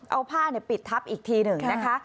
เอาผ้าปิดทับอีกทีหนึ่งนะคะ